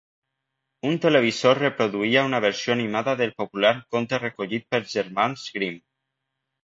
Un televisor reproduïa una versió animada del popular conte recollit pels germans Grimm.